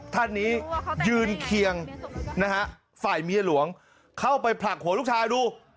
ท่านนี้ยืนเคียงนะฮะฝ่ายเมียหลวงเข้าไปผลักหัวลูกชายดู